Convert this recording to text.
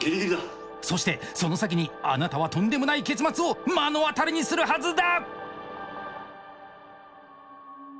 そしてその先にあなたはとんでもない結末を目の当たりにするはずだ！